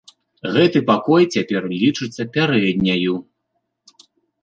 Гэты пакой цяпер лічыцца пярэдняю.